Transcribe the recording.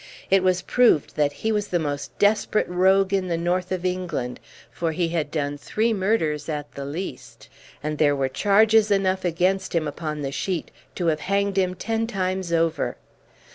It was proved that he was the most desperate rogue in the North of England, for he had done three murders at the least, and there were charges enough against him upon the sheet to have hanged him ten times over.